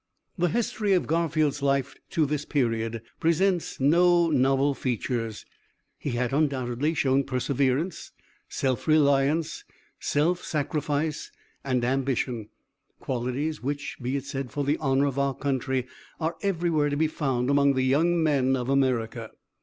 "The history of Garfield's life to this period presents no novel features. He had undoubtedly shown perseverance, self reliance, self sacrifice, and ambition qualities which, be it said for the honor of our country, are everywhere to be found among the young men of America.